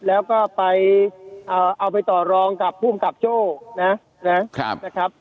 แล้วก็ไปเอาไปต่อรองกับภูมิกับโจ้นะครับ